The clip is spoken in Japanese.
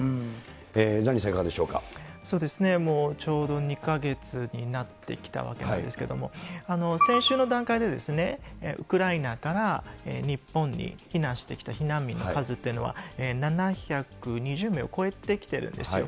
ザニーさん、そうですね、ちょうど２か月になってきたわけなんですけれども、先週の段階で、ウクライナから日本に避難してきた避難民の数というのは、７２０名を超えてきてるんですよ。